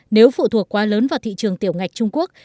nếu phụ thuộc quá lớn vào thị trường tiểu ngạch trung quốc